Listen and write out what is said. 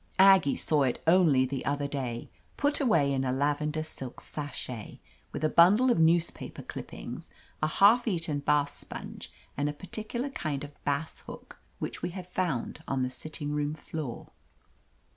Aggie saw it only the 344 OF LETITIA CARBERRY other day, put away in a lavender silk sachet, with a bundle of newspaper clippings, a half eaten bath sponge, and a particular kind of bass hook, which we had found on the sitting room floor.